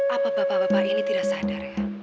apa bapak bapak ini tidak sadar ya